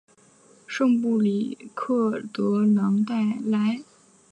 圣布里克德朗代莱。